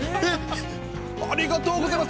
ありがとうございます。